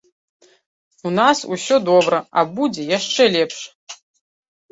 У нас усё добра, а будзе яшчэ лепш!